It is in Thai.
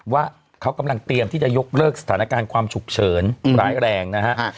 ว่าเขากำลังเตรียมที่จะยกเลิกสถานการณ์ความฉุกเฉินร้ายแรงนะฮะ